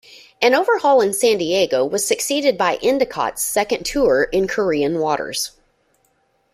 An overhaul in San Diego was succeeded by "Endicott"s second tour in Korean waters.